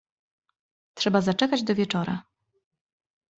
"Trzeba zaczekać do wieczora."